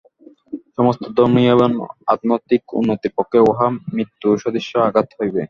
সমস্ত ধর্মীয় এবং আধ্যাত্মিক উন্নতির পক্ষে উহা মৃত্যু-সদৃশ আঘাত হইবে।